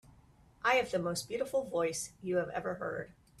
I have the most beautiful voice you have ever heard.